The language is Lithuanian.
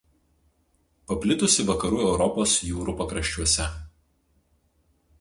Paplitusi Vakarų Europos jūrų pakraščiuose.